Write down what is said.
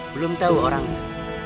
belum tau orangnya